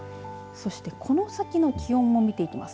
そして、この先の気温も見ていきます。